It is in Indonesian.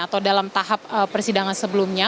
atau dalam tahap persidangan sebelumnya